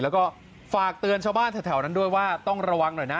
แล้วก็ฝากเตือนชาวบ้านแถวนั้นด้วยว่าต้องระวังหน่อยนะ